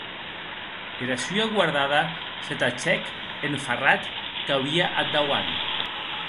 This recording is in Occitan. Era sua guardada se tachèc en farrat qu’auie ath dauant.